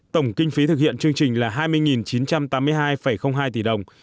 tổng kinh phí thực hiện chương trình là hai mươi chín trăm tám mươi hai hai tỷ đồng